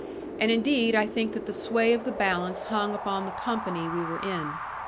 And indeed I think that the sway of the balance hung upon the company we were in.